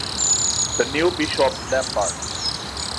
The new Bishop Lambert.